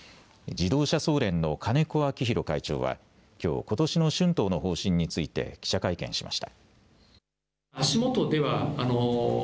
自動車総連の金子晃浩会長はきょう、ことしの春闘の方針について記者会見しました。